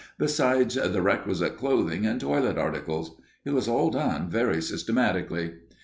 besides the requisite clothing and toilet articles. It was all done very systematically.